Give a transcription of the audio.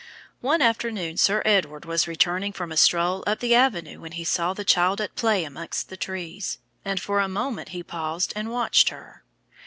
One afternoon Sir Edward was returning from a stroll up the avenue when he saw the child at play among the trees, and for a moment he paused and watched her.